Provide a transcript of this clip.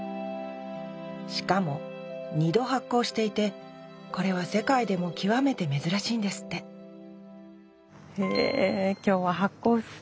しかも２度発酵していてこれは世界でも極めて珍しいんですってへ今日は発酵のお茶をね